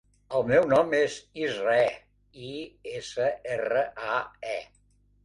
El meu nom és Israe: i, essa, erra, a, e.